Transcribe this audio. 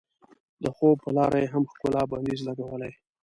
د خوب په لار یې هم ښکلا بندیز لګولی.